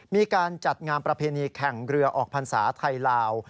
มีการจัดงามประเพณีแข่งเรือออกภัณฑ์ศาสตร์ไทยลาว